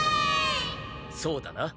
そうだな？